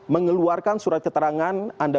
mengeluarkan surat keterangan anda